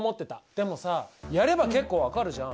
でもさやれば結構分かるじゃん。